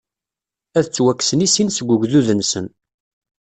Ad ttwakksen i sin seg ugdud-nsen.